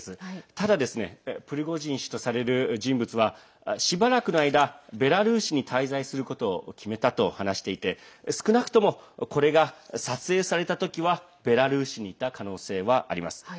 ただ、プリゴジン氏とされる人物は、しばらくの間ベラルーシに滞在することを決めたと話していて少なくともこれが撮影された時はベラルーシにいた可能性はあります。